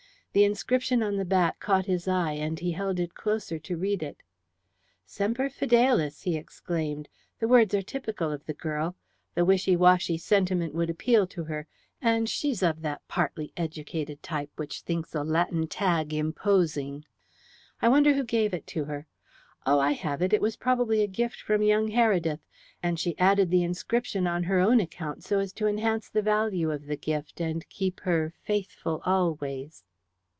The inscription on the back caught his eye, and he held it closer to read it. "Semper Fidelis!" he exclaimed. "The words are typical of the girl. The wishy washy sentiment would appeal to her, and she's of that partly educated type which thinks a Latin tag imposing. I wonder who gave it to her? Oh, I have it! It was probably a gift from young Heredith, and she added the inscription on her own account so as to enhance the value of the gift and keep her 'Faithful Always.'"